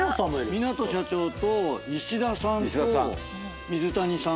港社長と石田さんと水谷さん。